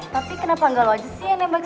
tapi kenapa gak lo aja sih yang nembakin lo